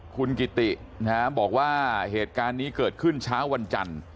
คุณกิตินะฮะบอกว่าเหตุการณ์นี้เกิดขึ้นเช้าวันจันทร์